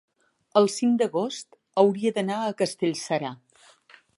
el cinc d'agost hauria d'anar a Castellserà.